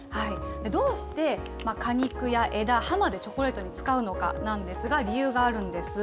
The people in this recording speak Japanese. どうして果肉や枝、葉までチョコレートに使うのかなんですが、理由があるんです。